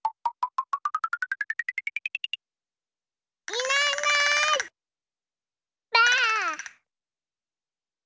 いないいないばあっ！